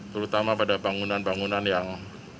terutama pada bangunan bangunan yang